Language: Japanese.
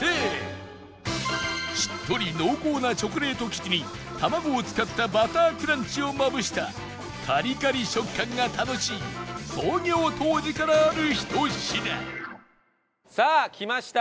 しっとり濃厚なチョコレート生地に卵を使ったバタークランチをまぶしたカリカリ食感が楽しい創業当時からあるひと品さあ来ました。